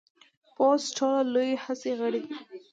پوست ټولو لوی حسي غړی دی.